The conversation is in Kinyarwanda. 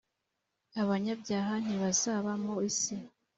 abanyabyaha ntibazaba mu isi